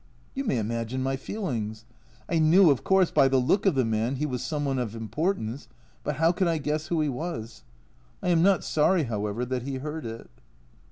You may imagine my feelings. I knew, of course, by the look of the man he was some one of importance, but how could I guess who he was ? I am not sorry, however, that he heard it.